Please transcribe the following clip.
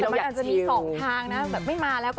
มันอาจจะมี๒ทางนะ